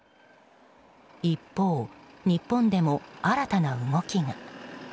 一方、日本でも新たな動きが。